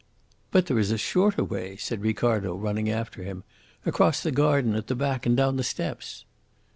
"But there is a shorter way," said Ricardo, running after him: "across the garden at the back and down the steps."